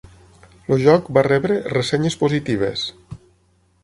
El joc va rebre ressenyes positives.